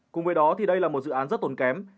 cùng với đó đây là một dự án rất tốn kém